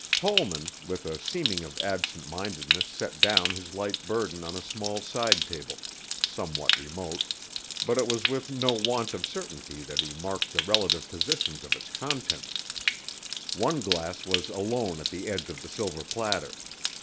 Tollman, with a seeming of absent mindedness set down his light burden on a small side table, somewhat remote, but it was with no want of certainty that he marked the relative positions of its contents. One glass was alone at the edge of the silver platter.